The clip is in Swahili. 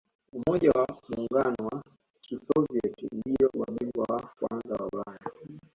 umoja wa muungano wa kisovieti ndiyo mabingwa wa kwanza wa ulaya